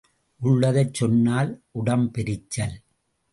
உள்ளதைச் சொன்னால் உடம்பெரிச்சல்.